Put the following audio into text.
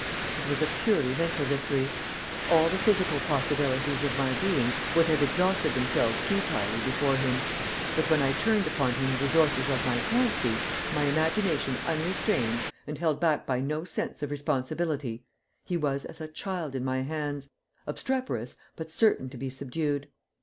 It was purely a mental victory. All the physical possibilities of my being would have exhausted themselves futilely before him; but when I turned upon him the resources of my fancy, my imagination unrestrained, and held back by no sense of responsibility, he was as a child in my hands, obstreperous but certain to be subdued.